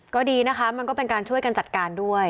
ก็ดีนะคะมันก็เป็นการช่วยกันจัดการด้วย